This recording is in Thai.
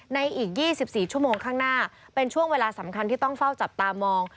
ในอีก๒๔ชั่วโมงข้างหน้าเป็นช่วงเวลาสำคัญที่ต้องเฝ้าจับตามอง